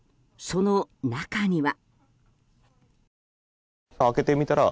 その中には。